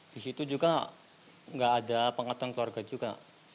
disitu juga gak ada pengaturan keluarga juga